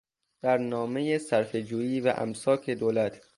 برنامهی صرفهجویی و امساک دولت